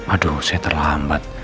aduh saya terlambat